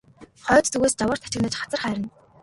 Хойд зүгээс жавар тачигнаж хацар хайрна.